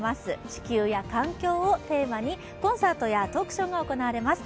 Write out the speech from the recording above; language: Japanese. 地球や環境をテーマにコンサートやトークショーが行われます。